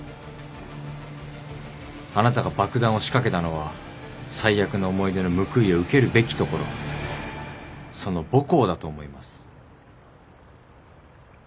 あなたが爆弾を仕掛けたのは最悪の思い出の報いを受けるべき所その母校だと思います。